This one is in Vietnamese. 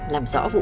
làm rõ vụ án